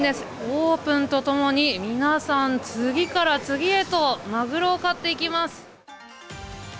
オープンと共に皆さん、次から次へとマグロを買っていきます。